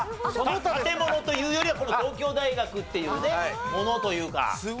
建物というよりは東京大学っていうねものというか。